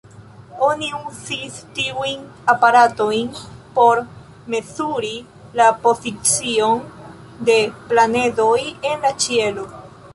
Oni uzis tiujn aparatojn por mezuri la pozicion de planedoj en la ĉielo.